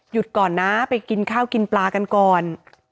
ก่อนนะไปกินข้าวกินปลากันก่อน